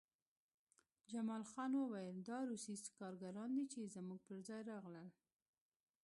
جمال خان وویل دا روسي کارګران دي چې زموږ پرځای راغلل